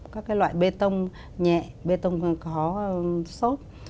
các loại bê tông nhẹ bê tông có sốt